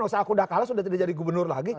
kalau saya udah kalah sudah tidak jadi gubernur lagi